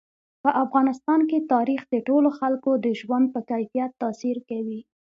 په افغانستان کې تاریخ د ټولو خلکو د ژوند په کیفیت تاثیر کوي.